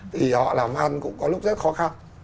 thì họ làm ăn cũng có lúc rất khó khăn